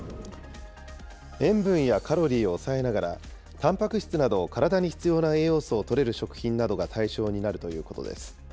塩分やカロリーを抑えながら、たんぱく質など体に必要な栄養素をとれる食品などが対象になるということです。